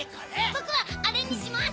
僕はあれにします！